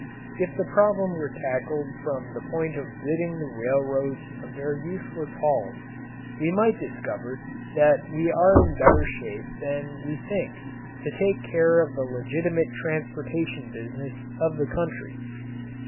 If the problem were tackled from the point of ridding the railroads of their useless hauls, we might discover that we are in better shape than we think to take care of the legitimate transportation business of the country.